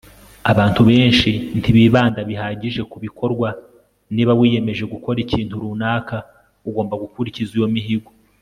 abantu benshi ntibibanda bihagije kubikorwa. niba wiyemeje gukora ikintu runaka, ugomba gukurikiza iyo mihigo